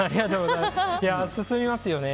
進みますよね。